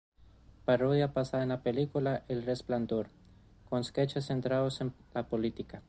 Parodia basada en la película El Resplandor, con sketches centrados en la política.